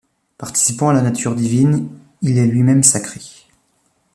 Participant à la nature divine, il est lui-même sacré.